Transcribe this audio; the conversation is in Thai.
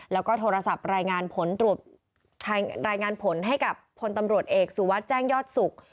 แล้วก็โทรศัพท์รายงานผลให้กับผลตำรวจเอกสุวัตรแจ้งยอดศุกร์